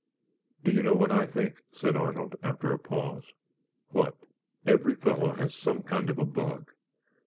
"Do you know what I think?" said Arnold, after a pause. "What?" "Every fellow has some kind of a bug.